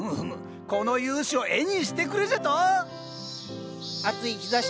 「この雄姿を絵にしてくれ」じゃと⁉暑い日ざしと。